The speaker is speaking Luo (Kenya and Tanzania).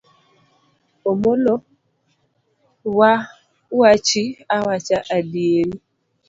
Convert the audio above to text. Omolo wa wachi awacha adieri.